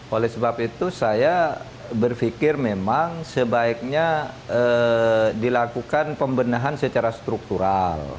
oleh sebab itu saya berpikir memang sebaiknya dilakukan pembenahan secara struktural